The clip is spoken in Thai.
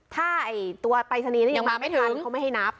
ถ้าไอ้ตัวปลายสนีย์นี้ยังมาไม่ทันเขานั้นไม่ให้นับ